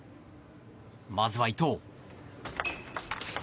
まずは伊藤。